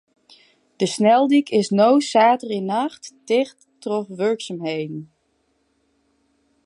De sneldyk is no saterdeitenacht ticht troch wurksumheden.